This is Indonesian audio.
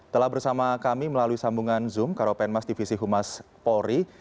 telah bersama kami melalui sambungan zoom karopenmas divisi humas polri